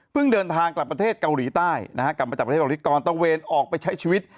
เดินทางกลับประเทศเกาหลีใต้นะฮะกลับมาจากประเทศออริกรตะเวนออกไปใช้ชีวิต